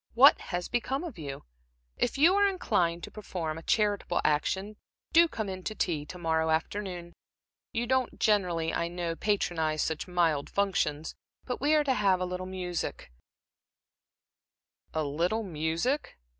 What has become of you? If you are inclined to perform a charitable action, do come in to tea to morrow afternoon. You don't generally, I know, patronize such mild functions, but we are to have a little music" "A little music?"